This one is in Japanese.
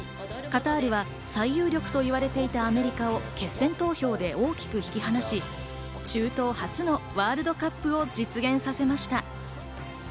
カタールは最有力と言われていたアメリカを決選投票で大きく引き離し、中東初のワールドカップを実現させました。